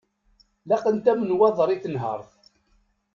Laqent-am nnwaḍer i tenhert.